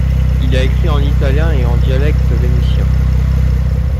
Il a écrit en italien et en dialecte vénitien.